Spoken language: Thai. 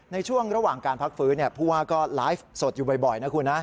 ในช่วงระหว่างการพักฟื้นผู้ว่าก็ไลฟ์สดอยู่บ่อยนะคุณนะ